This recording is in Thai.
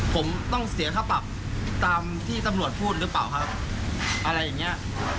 ผมต้องเสียค่าปรับตามที่ตำรวจพูดหรือเปล่าครับอะไรอย่างเงี้ย